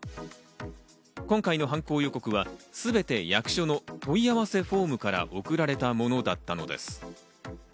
今回の犯行予告はすべて役所の問い合わせフォームから送られたものだったのです。